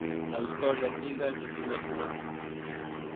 La història antiga és desconeguda.